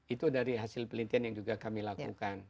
itu dari hasil penelitian yang juga kami lakukan